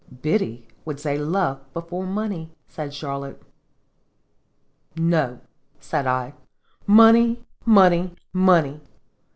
" Biddy would say love before money," said Charlotte. "No," said I, "money, money, money!